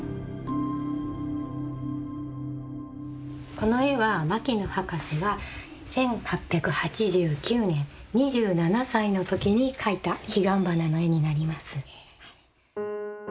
この絵は牧野博士が１８８９年２７歳の時に描いた彼岸花の絵になります。